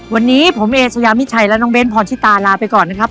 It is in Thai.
วันนี้ผมเอเชยามิชัยและน้องเบ้นพรชิตาลาไปก่อนนะครับ